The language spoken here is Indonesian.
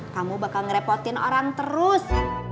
kamu bakal ngerepotin orang terus